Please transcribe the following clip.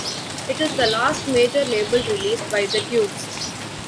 It is the last major-label release by The Tubes.